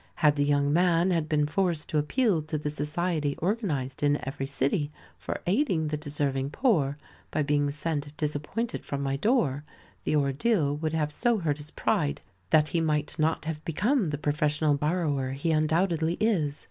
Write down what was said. Had the young man had been forced to appeal to the society organized in every city for aiding the deserving poor, by being sent disappointed from my door, the ordeal would have so hurt his pride, that he might not have become the professional borrower he undoubtedly is.